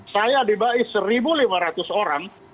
saya dibai satu lima ratus orang